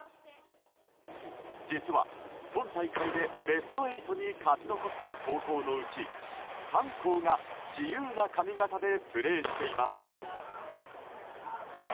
実は、今大会でベスト８に勝ち残った高校のうち３校が自由な髪形でプレーしています。